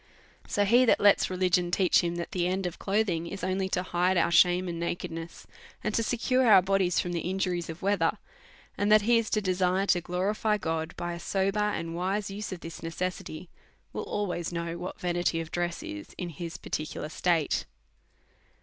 So he that lets religion teach him that the end of clothing is only to hide our shame and nakedness, and to secure our bodies from the injuries of weather, and that he is to desire to glorify God by a sober and DEVOUT AND HOLY LIFE. 93 wise use of this necessity, will always know what va nity of dress is in his particular state.